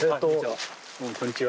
こんにちは。